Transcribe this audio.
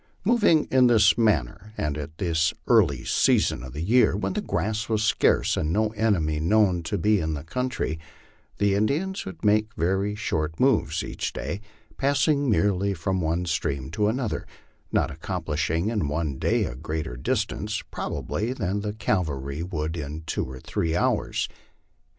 Moving in this manner and at this early season of the year, when grass was scarce and no enemy known to be in the country, the Indians would make very short moves each day, pass ing merely from one stream to another, not accomplishing in one day a great er distance, probably, than the cavalry would in two or three hours.